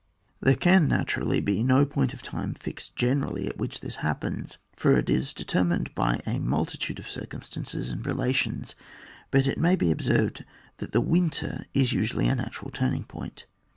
There can naturally be no point of time fixed generally at which this hap. pens, for it is determined by a multitude of circumstances and relations ; but it may be observed that the winter is usually a natural turning point.